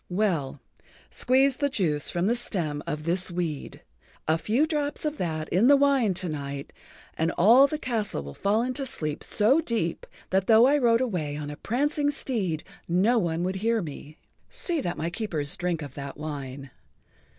"Well, squeeze the juice from the stem of this weed. A few drops of that in the wine to night and all the castle will fall into sleep so deep that though I rode away on a prancing steed no one would hear me. See that my keepers drink of that wine.